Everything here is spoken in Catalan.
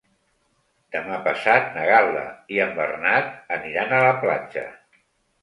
Demà passat na Gal·la i en Bernat aniran a la platja.